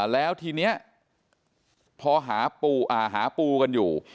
แล้วทีนี้พอหาปูกันอยู่